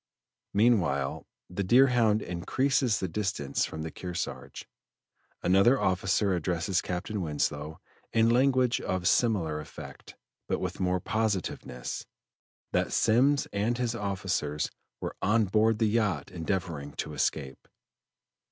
Meanwhile the Deerhound increases the distance from the Kearsarge; another officer addresses Captain Winslow in language of similar effect, but with more positiveness, that Semmes and his officers were on board the yacht endeavoring to escape.